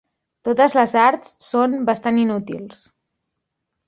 Totes les arts són bastant inútils.